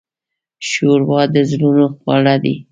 ښوروا د زړونو خواړه دي.